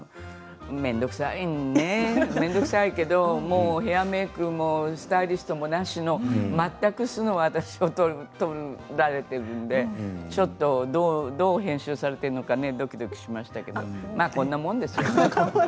面倒くさいけどヘアメークもスタイリストもなしの全く素の私を撮られているのでちょっとどう編集されているのかドキドキしましたけれどもまあこんなもんですよ。